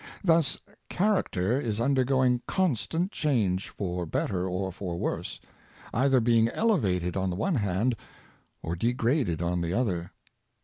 Thus character is undergoing constant change, for better or for worse — either being elevated on the one hand, or degraded on the other.